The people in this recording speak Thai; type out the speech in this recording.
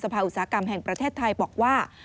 ภาคอุตสาหกรรมแห่งประเทศไทยบอกว่า